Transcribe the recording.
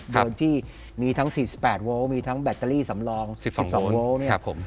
โดยที่มีทั้ง๔๘โวลต์มีทั้งแบตเตอรี่สำรอง๑๒โวลต์เนี่ย